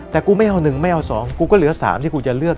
แต่กูไม่เอา๑ไม่เอา๒กูก็เหลือ๓ที่กูจะเลือก